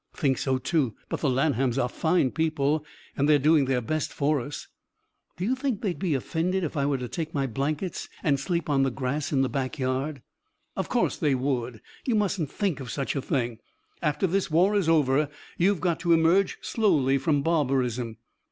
"Think so too. But the Lanhams are fine people and they're doing their best for us." "Do you think they'd be offended if I were to take my blankets, and sleep on the grass in the back yard?" "Of course they would. You mustn't think of such a thing. After this war is over you've got to emerge slowly from barbarism.